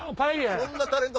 そんなタレント